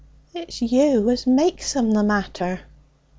'It's you as makes 'em the matter.'